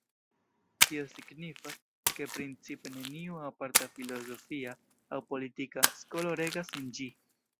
Tio signifas, ke principe neniu aparta filozofia aŭ politika skolo regas en ĝi.